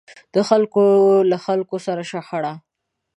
د خلکو له خلکو سره شخړه.